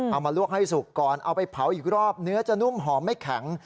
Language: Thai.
มาลวกให้สุกก่อนเอาไปเผาอีกรอบเนื้อจะนุ่มหอมไม่แข็ง